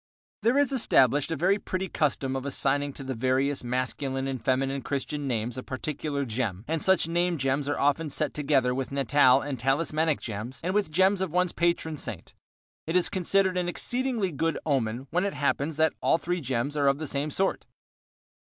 There is established a very pretty custom of assigning to the various masculine and feminine Christian names a particular gem, and such name gems are often set together with natal and talismanic gems and with gems of one's patron saint. It is considered an exceedingly good omen when it happens that all three gems are of the same sort.